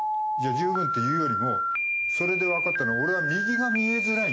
十分っていうよりもそれでわかったのは俺は右が見えづらい。